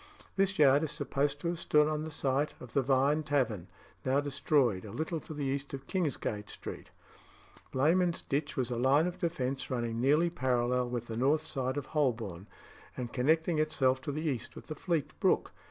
This yard is supposed to have stood on the site of the Vine Tavern (now destroyed), a little to the east of Kingsgate Street. Blemund's Ditch was a line of defence running nearly parallel with the north side of Holborn, and connecting itself to the east with the Fleet brook.